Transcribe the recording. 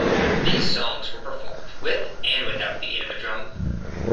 These songs were performed with and without the aid of a drum.